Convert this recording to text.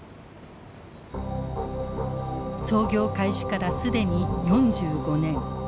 操業開始から既に４５年。